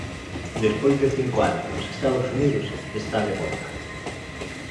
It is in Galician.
Despois de cinco anos nos Estados Unidos, está de volta.